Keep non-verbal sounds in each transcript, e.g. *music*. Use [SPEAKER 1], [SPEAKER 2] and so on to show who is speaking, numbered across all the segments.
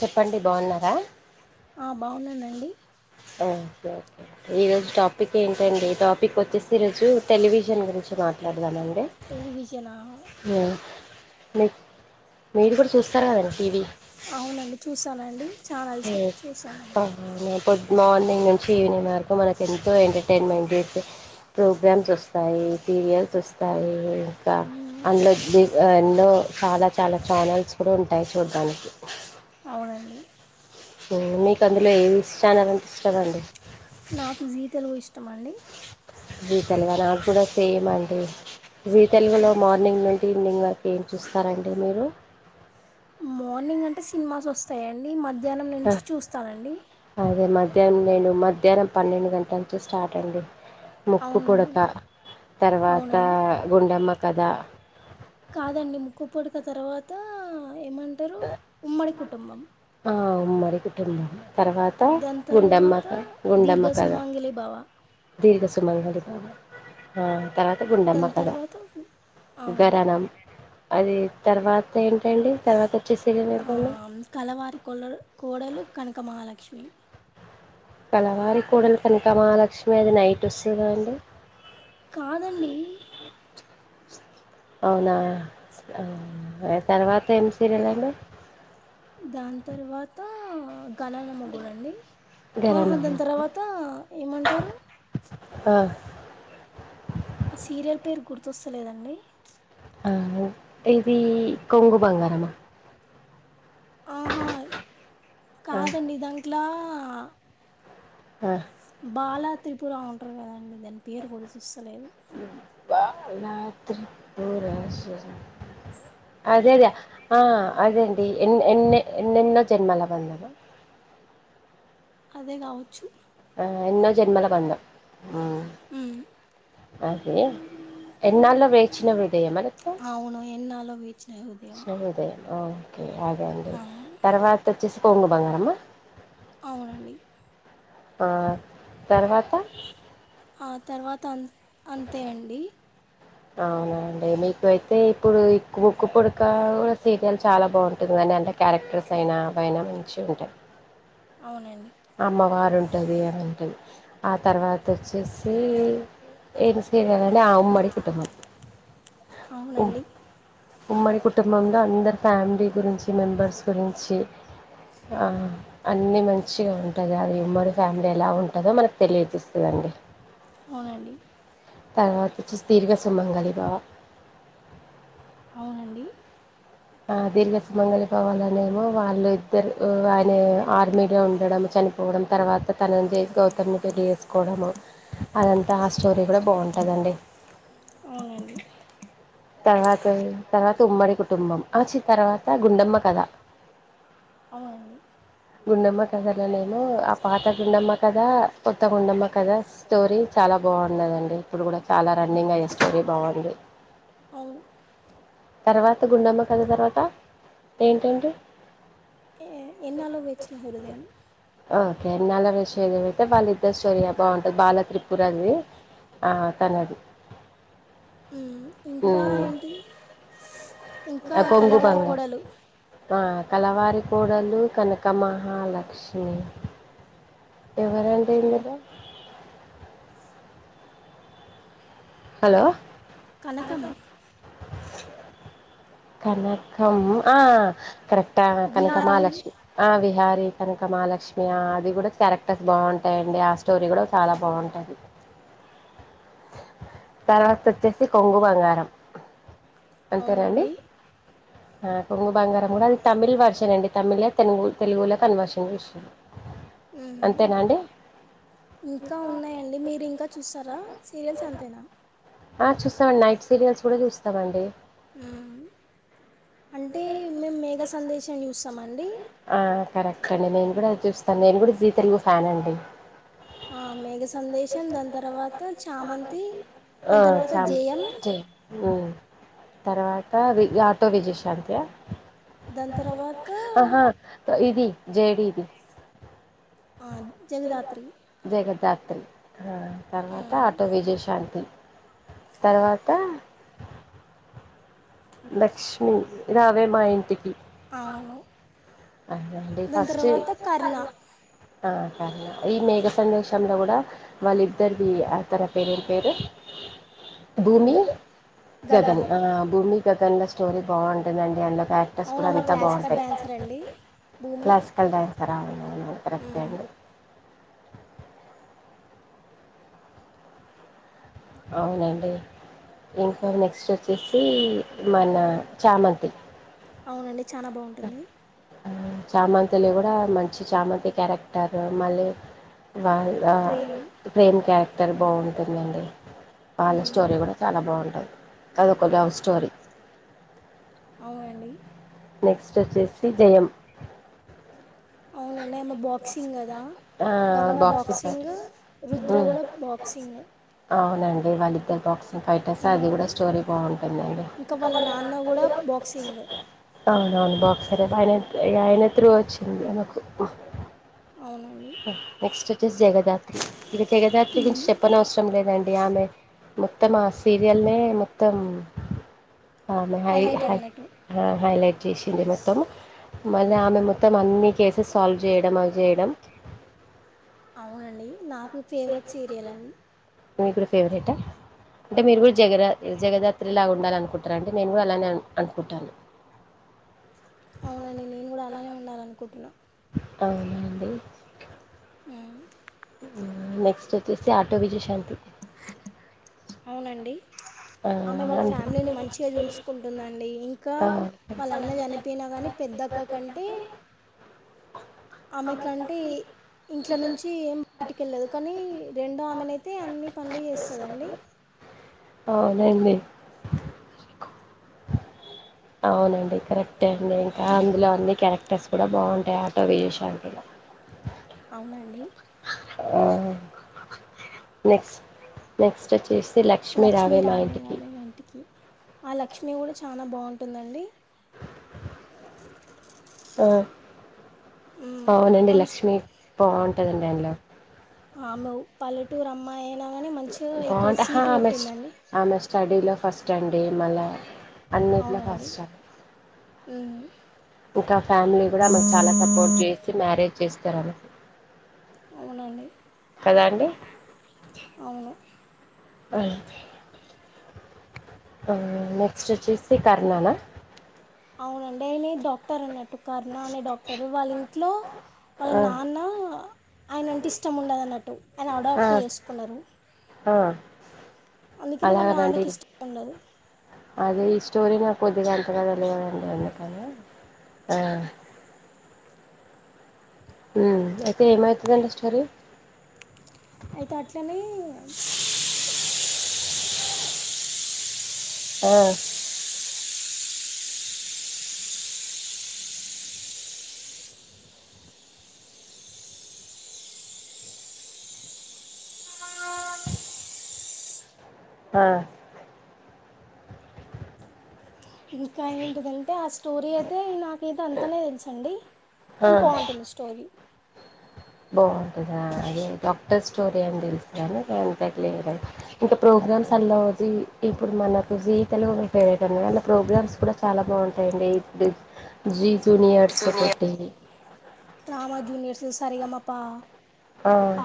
[SPEAKER 1] చెప్పండి బాగున్నారా?
[SPEAKER 2] ఆ బాగున్నానండి.
[SPEAKER 1] ఆ ఓకే ఓకే ఈ రోజు టాపిక్ ఏంటండి ఈ టాపిక్ వచ్చేసి ఈ రోజు టెలివిజన్ గురించి మా మాట్లాడదాం అని
[SPEAKER 2] టెలివిజనా
[SPEAKER 1] మీ మీరు గూడా చూస్తారు కదండి టీవీ
[SPEAKER 2] అవునండి చూసానండి. ఛానల్స్
[SPEAKER 1] *inaudible*
[SPEAKER 2] చూసానండి
[SPEAKER 1] మార్నింగ్ నుంచి ఈవినింగ్ వరకు మనకు ఎంతో ఎంటర్టైన్మెంట్ దొరుక్తద్ ప్రోగ్రామ్స్ వస్తాయి. సీరియల్స్ వస్తాయి. ఇంక
[SPEAKER 2] మ్మ్.
[SPEAKER 1] అందులో ది ఎన్నో చాలా చాలా ఛానల్స్ కూడా ఉంటాయి చూడ్డానికి
[SPEAKER 2] అవునండి.
[SPEAKER 1] మీకు అందులో ఏదిఛానల్ అంటే ఇష్టమండి.
[SPEAKER 2] ఇష్టమండి.
[SPEAKER 1] జీ తెలుగా నాగూడా సేమ్ అండి జీ తెలుగులో మార్నింగ్ నుండి ఈవినింగ్ వరకి ఏం చూస్తారండి మీరు
[SPEAKER 2] మార్నింగ్ అంటే సినిమాస్ వస్తాయండి. మధ్యాహ్నం నుంచి
[SPEAKER 1] ఆహ్,
[SPEAKER 2] చూస్తానండి.
[SPEAKER 1] అదే మధ్యాహ్నం నేను మధ్యాహ్నం పన్నెండు గంటల నుంచి స్టార్ట్ అండి. ముక్కు
[SPEAKER 2] అవునండి
[SPEAKER 1] పుడక తర్వాత
[SPEAKER 2] అవునండి
[SPEAKER 1] గుండమ్మ కథ
[SPEAKER 2] కాదండి ముక్కు పుడక తర్వాత ఏమంటరు ఉమ్మడి కుటుంబం
[SPEAKER 1] ఆ ఉమ్మడి కుటుంబం తర్వాత
[SPEAKER 2] దాని తర్వాత
[SPEAKER 1] గుండమ్మక గుండమ్మ కథ
[SPEAKER 2] దీర్ఘసుమంగిలి భవ
[SPEAKER 1] దీర్ఘ సుమంగళి ఆ తర్వా త గుండమ్మ
[SPEAKER 2] దాని
[SPEAKER 1] కథ
[SPEAKER 2] తర్వాత ఆ,
[SPEAKER 1] గరణం అది తర్వాత ఏంటండి తర్వాత వచ్చే సీరియల్
[SPEAKER 2] ఆ
[SPEAKER 1] ఏంటండి
[SPEAKER 2] కలవారి కోల కోడలు కనకమహాలక్ష్మి
[SPEAKER 1] కలవారి కోడలు కనకమహాలక్ష్మి అది నైట్ వస్తది కదండి.
[SPEAKER 2] కాదండి
[SPEAKER 1] అవునా తర్వాత ఏం సీరియల్ అండి
[SPEAKER 2] దాని తర్వాతా ఘనానమొగుడండి ఆహా
[SPEAKER 1] ఘరానా
[SPEAKER 2] దాని తర్వాత ఏమంటరు
[SPEAKER 1] ఆ
[SPEAKER 2] ఆ సీరియల్ పేరు గుర్తొస్తలేదండి.
[SPEAKER 1] ఆ ఇది కొంగు బంగారమా
[SPEAKER 2] ఆహా
[SPEAKER 1] ఆ
[SPEAKER 2] కాదండి దాంట్ల
[SPEAKER 1] ఆ
[SPEAKER 2] బాలా త్రిపుర ఉంటారు కదాండి దాని పేరు గుర్తొస్తలేదు.
[SPEAKER 1] బాల త్రిపుర అదేదే ఆ అదండీ ఎన్ ఎన్నే ఎన్నెన్నో జన్మల బంధం
[SPEAKER 2] అదే కావచ్చు
[SPEAKER 1] ఆ ఎన్నో జన్మల బంధం
[SPEAKER 2] మ్మ్
[SPEAKER 1] అదే ఎన్నాళ్ళో వేచిన హృదయం మరిప్ప
[SPEAKER 2] అవును *unintelligible* హృదయం
[SPEAKER 1] చిన ఓకే అదండీ
[SPEAKER 2] ఆ,
[SPEAKER 1] తర్వాత వచ్చేసి కోంగు బంగారమ్మా
[SPEAKER 2] అవునండి
[SPEAKER 1] ఆ తర్వాత
[SPEAKER 2] ఆ తర్వాత అన్ అంతే అండి
[SPEAKER 1] అవునండి మీకు అయితే ఇప్పుడు క్కు ఉక్కు పుడక కూడా సీరియల్ చాలా బాగుంటది అ ఎంత క్యారెక్టర్స్ అయినా అవయినా మంచిగా ఉంటాయి
[SPEAKER 2] అవునండి
[SPEAKER 1] అమ్మ వార్ ఉంటది కదండి ఆ తర్వాత వచ్చేసి *unintelligible* నా అమ్మడి కుటుంబం ఉ
[SPEAKER 2] అవునండి
[SPEAKER 1] ఉమ్మడి కుటుంబంలో అందరు ఫ్యామిలీ గురించి మెంబర్స్ గురించి ఆ అన్ని మంచి మంచిగా ఉంటది అది ఉమ్మడి ఫ్యామిలీ ఎలా ఉంటదో మనకు తెలియజేస్తుందండి
[SPEAKER 2] అవునండి
[SPEAKER 1] తర్వాత చూస్తే దీర్ఘ సుమంగళి బవ
[SPEAKER 2] అవునండి
[SPEAKER 1] ఆ దీర్ఘ సుమంగలి పోవాలనేమో వాళ్ళు ఇద్దరు ఆయన ఆర్మీలో ఉండడం చ చనిపోవడం తర్వాత తన చేస్ గౌతమ్ని పెళ్లి చేేసుకోవడం అదంతా ఆ స్టోరీ కూడా బాగుంట కదండి
[SPEAKER 2] అవునండి
[SPEAKER 1] తర్వాత తర్వాత ఉమ్మడి కుటుంబం ఆ చీ తర్వాత గుండమ్మ కథ అవు
[SPEAKER 2] అవునండి
[SPEAKER 1] గుండమ్మ కదలనేమో ఆ పాత గుండమ్మ కదా కొత్త గుండమ్మ కదా స్టోరీ చాలా బాగున్నాదండి ఇప్పుడు కూడా చాలా రన్నింగ్ అయ్యే స్టోరీ బాగుంది
[SPEAKER 2] అవును
[SPEAKER 1] తర్వాత గుండమ్మ కథ తర్వాత ఏంటండి
[SPEAKER 2] ఎ ఎన్నాలో వేచిన హృదయం
[SPEAKER 1] ఓకే ఎన్నాలో విషయ ఏమైతే వాళ్ళ ఇద్దరు స్టోరీ బాగుంటది బాల త్రిపుర అది ఆ తనది
[SPEAKER 2] మ్మ్ ఇంకా
[SPEAKER 1] హ్మ్.
[SPEAKER 2] ఏంటిది ఇంకా
[SPEAKER 1] ఆ! 'కొంగు
[SPEAKER 2] కలవారి
[SPEAKER 1] బంగ'
[SPEAKER 2] కోడలు
[SPEAKER 1] ఆ కలవారి కోడలు కనక మహాలక్ష్మి మ్మ్ ఎవరండి హిమజ హలో
[SPEAKER 2] కనకం
[SPEAKER 1] కన్నక్ ఆ కరెక్టా కనక
[SPEAKER 2] బిహారీ
[SPEAKER 1] మహాలక్ష్మి ఆ విహార్ శ్రీ కనక మహాలక్ష్మి అది కూడా క్యారెక్టర్స్ బాగుంటాయండి ఆ స్టోరీ కూడా చాలా బాగుంటాది తర్వాత వచ్చేసి కొంగు బంగారం అంతేనా అండి
[SPEAKER 2] అవునండి
[SPEAKER 1] అ ఆ కొంగు బంగారం గుడా అది తమిళ్ వర్షన్ అండి తమిళే తెలుగు తెలుగులో కన్వర్షన్ చేశిరు.
[SPEAKER 2] మ్మ్.
[SPEAKER 1] అంతేనా అండి
[SPEAKER 2] ఇంకా ఉన్నాయండి మీరు ఇంకా చూస్సారా సీరియల్స్ అంతేనా
[SPEAKER 1] ఆ చూస్సా నైట్ సీరియల్స్ గూడా చూస్తామండి
[SPEAKER 2] మ్మ్. అంటే మేం మేఘ సందేశం చూస్సామండి
[SPEAKER 1] ఆ కరెక్ట్ అండి నేన్ గుడా చూస్తా, నేను గూడా జీ తెలుగు ఫ్యాన్ అండి.
[SPEAKER 2] ఆ మేఘ సందేశం దాన్ తర్వాత చామంతి
[SPEAKER 1] ఆ
[SPEAKER 2] దాని తర్వాత
[SPEAKER 1] చాం
[SPEAKER 2] జయం
[SPEAKER 1] చే ఓ తర్వాత వి ఆటో విజైశాంతియా
[SPEAKER 2] దాన్ తర్వాత
[SPEAKER 1] ఇది జేడిది
[SPEAKER 2] ఆ, జగదాత్రి
[SPEAKER 1] జై గధాత్రి తర్వాత
[SPEAKER 2] ఆ.
[SPEAKER 1] ఆటో విజయశాంతి తర్వాత లక్ష్మి రావే మా ఇంటికి
[SPEAKER 2] అవును
[SPEAKER 1] *unintelligible* అండి
[SPEAKER 2] దాని
[SPEAKER 1] ఫస్ట్
[SPEAKER 2] తర్వాత కర్ణ
[SPEAKER 1] ఆ *unintelligible* ఈ మేఘ సందేశంలో గూడా వాళ్ళిద్దరిదీ ఆ తర పేరేం పేరు
[SPEAKER 2] గ
[SPEAKER 1] గగన్ ఆ భూమి గగన్ ల స్టోరీ బాగుంటుందండి అంత క్యారెక్టర్స్
[SPEAKER 2] అవును
[SPEAKER 1] కూడా
[SPEAKER 2] ఆమె
[SPEAKER 1] అంతా
[SPEAKER 2] క్లాసికల్
[SPEAKER 1] బాగుంటాయ్.
[SPEAKER 2] డ్యాన్సర్ అండి భూమి
[SPEAKER 1] క్లాసికల్ డ్యాన్సరా అవునవును కరెక్టే
[SPEAKER 2] మ్మ్.
[SPEAKER 1] అండి అవునండి ఇంకా నెక్స్ట్ ఒచ్చేసి మన చామంతి
[SPEAKER 2] అవునండి చానా బాగుంటుంది
[SPEAKER 1] చామంతిలో గూడా మంచి చామంతి క్యారెక్టర్ మళ్ళీ వాళ్ ఆ
[SPEAKER 2] ప్రేమ్
[SPEAKER 1] ప్రేమ్ క్యారెక్టర్ బాగుంటుందండి ఆళ్ళ
[SPEAKER 2] మ్మ్.
[SPEAKER 1] స్టోరీ గుడా చాలా బాగుంటది అదొక లవ్ స్టోరీ
[SPEAKER 2] అవునండి
[SPEAKER 1] నెక్స్ట్ ఒచ్చేసి జయం
[SPEAKER 2] అవునండి ఆమె బాక్సింగ్ గద్ దా
[SPEAKER 1] ఆ
[SPEAKER 2] గంగా బాక్సింగ్
[SPEAKER 1] ఫైటర్స్
[SPEAKER 2] రుద్ర
[SPEAKER 1] ఉమ్
[SPEAKER 2] గూడా బాక్సింగ్
[SPEAKER 1] అవునండి వాళ్ళిద్దర్ బాక్స్ ఫైటర్స్ అది
[SPEAKER 2] మ్మ్.
[SPEAKER 1] గుడా స్టోరీ బాగుంటుందండి
[SPEAKER 2] ఇంకా వాళ్ళ నాన్న కూడా బాక్సింగ్
[SPEAKER 1] అవునవును బాక్సరే ఆయన ఇగ ఆయన త్రూ ఒచ్చింది అమెకు
[SPEAKER 2] అవునండి
[SPEAKER 1] నెక్స్ట్ ఒచ్చేసి జగదాత్రి ఇగ జగదాత్రి గుంచి చెప్పనవసరం లేదండి ఆమె మొత్తం ఆ సీరియల్నే మొత్తం ఆమె హై
[SPEAKER 2] హైలైట్
[SPEAKER 1] హై
[SPEAKER 2] అన్నట్టు
[SPEAKER 1] హ హైలేట్ చేసింది మొత్తం మళ్ళి ఆమె మొత్తం అన్ని కేసెస్ సాల్వ్ జేయడం అ జేయడం
[SPEAKER 2] అవునండి నాకు ఫేవరెట్ సీరియల్ అన్
[SPEAKER 1] మీగూడ ఫేవరెటా అంటే మీరు గూడా జగరా జగదాత్రిలా ఉన్ ఉండాలనుకుటరా అండి నేను గూ అలానే అన్ అనుకుటాను
[SPEAKER 2] అవునండి నేన్ గూడా అలానే ఉండాలనుకుటునా
[SPEAKER 1] అవునా అండి
[SPEAKER 2] ఊమ్
[SPEAKER 1] నెక్స్ట్ ఒచ్చేసి ఆటో విజయశాంతి
[SPEAKER 2] అవునండి
[SPEAKER 1] ఆ
[SPEAKER 2] ఆమె వాళ్ళ
[SPEAKER 1] అండి
[SPEAKER 2] ఫ్యామిలీని మంచిగా చూసుకుంటుందండి ఇంకా
[SPEAKER 1] ఆ
[SPEAKER 2] వాళ్ళ అన్న చనిపోయినా కానీ పెద్దక్క కంటే ఆమె కంటే ఇంట్ల నుంచి ఏం బయటికె వెళ్ళదు కానీ రెండడు ఆమెనుయితే అన్ని పనులు చేస్తుందిండి
[SPEAKER 1] అవునండి అవునండి కరెక్ట్ే అండి ఇంకా అందులో అన్ని క్యారెక్టర్స్ కూడా బాగుంటాయి ఆటో విజషాలో
[SPEAKER 2] అవునండి
[SPEAKER 1] హా నేస్ నెక్స్ట్ వచ్చే చేస్తే
[SPEAKER 2] లక్ష్మి
[SPEAKER 1] లక్ష్మీరావే మా
[SPEAKER 2] రావే
[SPEAKER 1] ఇంటికి
[SPEAKER 2] రావే మా ఇంటికి ఆ లక్ష్మి కూడా చాలా బాగుంటుందండి
[SPEAKER 1] ఆ
[SPEAKER 2] ఉమ్,
[SPEAKER 1] అవునండి
[SPEAKER 2] ఆమె
[SPEAKER 1] లక్ష్మిీ బాగుంటుందండి అందులో
[SPEAKER 2] ఆమో పల్లెటూరు అమ్మాయి ఏ
[SPEAKER 1] బాగుంటా హా ఆమె ఆమె స్టడీలో ఫస్ట్ అండి మళ్ళా అన్నిట్లో
[SPEAKER 2] అవునండి
[SPEAKER 1] ఫస్ట్
[SPEAKER 2] ఉ
[SPEAKER 1] ఇంకా ఫ్యామిలీ కూడా ఆమెకు చాలా సపోర్ట్ చేసి మ్యారేజ్ చేస్తారన్నట్టు
[SPEAKER 2] అవునండి
[SPEAKER 1] కదా అండి
[SPEAKER 2] అవును
[SPEAKER 1] అ ఆ నెక్స్ట్ వచ్చేసి కర్నానా
[SPEAKER 2] అవునండి నేనే డాక్టర్ అన్నట్టు కరుణ అనే డాక్టర్ వాళ్ళ ఇంట్లో వాళ్ళ నాన్న ఆయన అంటే ఇష్టం ఉండదన్నట్టు ఆయన అడాప్ట్ చేసుకున్నారు అందుకనే
[SPEAKER 1] అలాగ
[SPEAKER 2] వాళ్ళ
[SPEAKER 1] అండి
[SPEAKER 2] నాన్నకి ఇష్టం ఉండదు
[SPEAKER 1] అదిేష్ట స్టోరీ నా కొద్దిగా అంతగా తెలియదండి అందుకని ఆ ఉ అయితే ఏమైతాది అండి స్టరీ
[SPEAKER 2] అయితే అట్లనే
[SPEAKER 1] ఆ ఆ
[SPEAKER 2] ఇంకా ఏంటిదంటే ఆ స్టోరీ అయితే నాకైతే అంతనే తెలుసండి కానీ బాగుంటుంది స్టోరీ
[SPEAKER 1] బాగుంటందా అదే డాక్టర్ స్టోరీ అని తెలుసు కానీ న అంతాలియ ఇంకా ప్రో ప్రగ్రామ్స్ అలో జీ ఇప్పుడు మనకు జీ తెలుగు మ ఫేవరెట్ అం అళ ప్రోగ్రామ్స్ కూడా చాలా బాగుంటాయండి దే జీ జూనియర్స్
[SPEAKER 2] జూనియర్
[SPEAKER 1] ఒకటి
[SPEAKER 2] సరిగమప్ప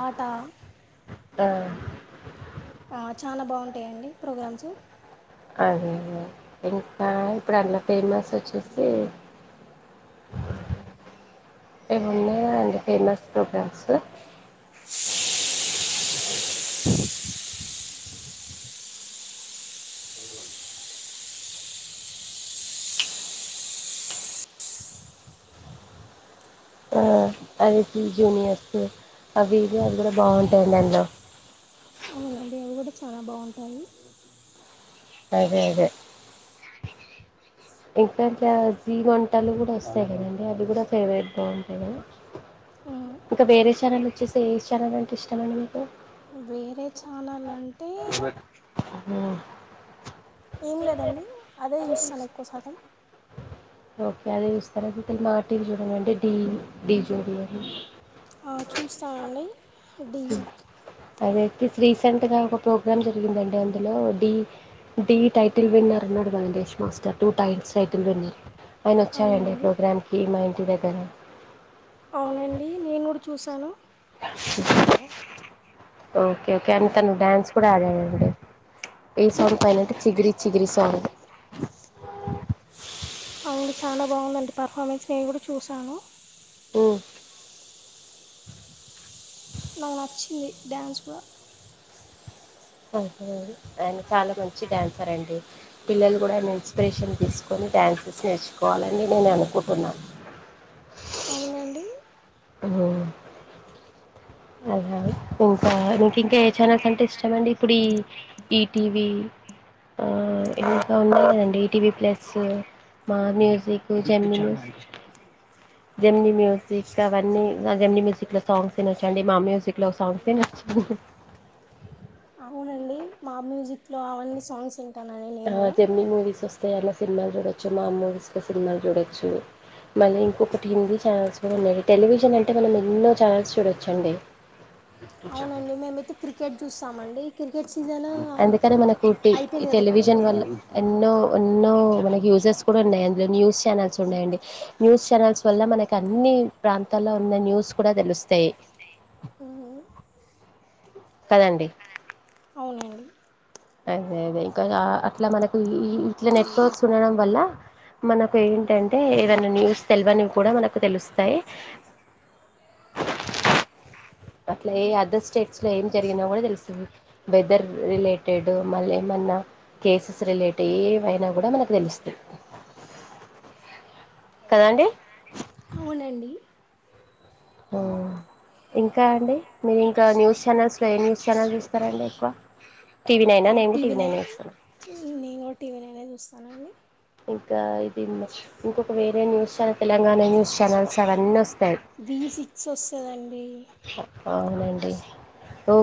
[SPEAKER 2] ఆట
[SPEAKER 1] అ
[SPEAKER 2] ఆ చానా బాగుంటాయంండి ప్రోగ్రామ్స్
[SPEAKER 1] అదేే అదే ఇంకా ఇప్పుడు అలా ఫేమస్ వచ్చేసి ఏమున్నాయా అండి ఫేమస్ ప్రోగ్రామ్స్ ఆ అది త్రీ జూనియర్స్ అవివి అవి కూడా బాగుంటాయండి అందులో
[SPEAKER 2] ఆ దేవ్ కూడా చానా బాగుంటాయి
[SPEAKER 1] అదే అదే ఇంకాంటే జీ వంటలు కూడ వస్తయి కదండి అవి కూడ ఫేవరెట్ గా ఉంటయి కదా
[SPEAKER 2] హ్మ్.
[SPEAKER 1] వచ్చేస్ ఏస్ ఛానల్ అంటే ఇష్టమండి మీకు
[SPEAKER 2] వేరే ఛానెల్ అంటే
[SPEAKER 1] అమ
[SPEAKER 2] ఏం లేదండి అదే జూస్తన ఎక్కువ శాతం
[SPEAKER 1] ఓకే అదే జూస్తర మాటీవీ చూ అంటే డీ డీ జోడీ
[SPEAKER 2] ఆ అండి డీ
[SPEAKER 1] అదైతే రీసెంట్గా ఒక ప్రోగ్రాం జరిగిందండి అందులో డీ డీ టైటిల్ విన్నర్ ఉన్నాడు కదండి Yash master two times title winner ఆయన వచ్చారండి
[SPEAKER 2] అవునండి.
[SPEAKER 1] ప్రోగ్రామ్కి మా ఇంటి దగ్గర
[SPEAKER 2] అవునండి నేను కూడ చూశాను
[SPEAKER 1] ఓకే కనీ తను డ్యాన్స్ కూడ ఆడాడండి ఏ సాంగ్ పైనంటె చిగిరి చిగిరి సాంగ్
[SPEAKER 2] అవును చాలా బాగుందంట పర్ఫార్మెన్స్ నేను కూడ చూసాను
[SPEAKER 1] ము
[SPEAKER 2] నాకు నచ్చింది డ్యాన్స్ కూడ
[SPEAKER 1] *inaudible* చాలా మంచి డ్యాన్సర్ అండి పిల్లలు కూడ ఆయన ఇన్స్పిరేషన్ తీసుకొని డ్యాన్సెస్ నేర్చుకోవాలని నేను అనుకుంటున
[SPEAKER 2] అవునండి
[SPEAKER 1] ఆ అలా ఇంక ఇంకా ఏ ఛానల్స్ అంటే ఇష్టమండి ఇప్పుడు ఈ ఈటీవి ఆ ఇంకా ఉన్నాయి కదండి ETV plus Maa music Gemini music Gemini music అవన్నీ జెమిని మ్యూజక్ లో సాంగ్స్ వినచ్చండి మా మ్యూజిక్ లో ఒక సాంగ్స్ ఏ నచ్చవు
[SPEAKER 2] అవునండి మా మ్యూజిక్ లో అవన్నీ సాంగ్స్ ఇ
[SPEAKER 1] తర్వాత జెమిని మూవీస్ వస్తయ్ అందల సినిమాలు చూడొచ్చు మా మూవీస్ లో సినిమాలు చూడొచ్చు మళ్ళీ ఇంకొకటి హిందీ ఛానల్స్ కూడ ఉన్నాయి టెలివిజన్ అంటే మనం ఎన్నో ఛానల్స్ చూడచ్చండి
[SPEAKER 2] అవునండి మేమైతే క్రికెట్ చూస్తామండి క్రికెట్ సీజన్
[SPEAKER 1] అందుకని మనకు ఈ
[SPEAKER 2] అయిపోయింది గదా!
[SPEAKER 1] టెలివిజన్
[SPEAKER 2] ఇప్పుడైతే.
[SPEAKER 1] వల్ల ఎన్నో ఎన్నో మనకి యూజెస్ కూడ ఉన్నాయి అందులో న్యూస్ ఛానల్స్ ఉన్నాయండి న్యూస్ ఛానల్స్ వల్ల మనకు అన్ని ప్రాంతాల్లో ఉన్న న్యూస్ కూడ తెలుస్తయి కదండి
[SPEAKER 2] అవునండి
[SPEAKER 1] అదే అదే ఇంకా అట్లా మనకు ఇట్ల నెట్వర్క్స్ ఉండడం వల్ల మనకు ఏంటంటే ఏదైనా న్యూస్ తెల్వనివి కూడ మనకు తెలుస్తయి అట్లా ఏ అదర్ స్టేట్స్లో ఏం జరిగిన కూడా తెలుస్తుంది వెదర్ రిలేటెడ్ మళ్ళీ ఏమన్నా కేసెస్ రిలేటెడ్ ఏ అప్పుడే మనకు తెలుస్తయ్ కదాండి
[SPEAKER 2] అవునండి.
[SPEAKER 1] అవునండీ ఇంకాండి మీరు ఇంకా న్యూస్ ఛానల్స్లో ఏ న్యూస్ ఛానెల్స్ చూస్తారండి ఎక్కువ టీవీ నైనా నేను టీవీ నైన్ ఏ చూస్తా
[SPEAKER 2] నేనూ టీవీ నైన్ ఏ
[SPEAKER 1] ఇంకా ఇది మష్ ఇంకొక వేరే news channel Telangana news channels అవన్నీ వస్
[SPEAKER 2] వి సిక్స్ వస్తదండి
[SPEAKER 1] అవునండి ఓ